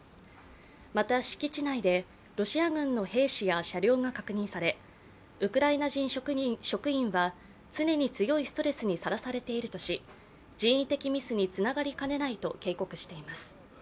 また敷地内でロシア軍の兵士や車両が確認されウクライナ人職員は常に強いストレスにさらされているとし人為的ミスにつながりかねないと警告しています。